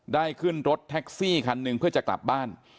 ได้ขึ้นรถแท็กซี่คันหนึ่งเพื่อจะกลับบ้าน